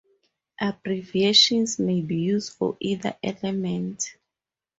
Abbreviations may be used for either element.